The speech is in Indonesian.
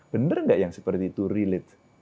benar nggak yang seperti itu relate